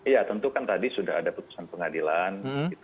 ya tentu kan tadi sudah ada putusan pengadilan